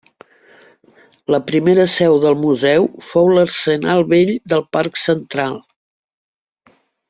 La primera seu del Museu fou l'Arsenal vell del Parc Central.